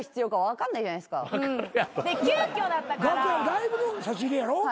ライブの差し入れやろ？